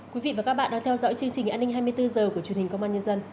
quý vị và các bạn đang theo dõi chương trình an ninh hai mươi bốn h của truyền hình công an nhân dân